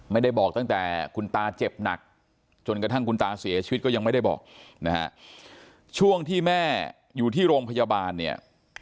ไม่ได้บอกตั้งแต่คุณตาเจ็บหนักจนกระทั่งคุณตาเสียชีวิตก็ยังไม่ได้บอกนะฮะช่วงที่แม่อยู่ที่โรงพยาบาลเนี่ย